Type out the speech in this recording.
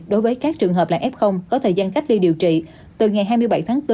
đối với các trường hợp là f có thời gian cách ly điều trị từ ngày hai mươi bảy tháng bốn